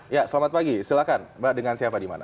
iya selamat pagi silakan dengan siapa di mana